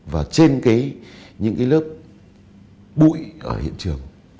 và trên những lớp bụi ở hiện trường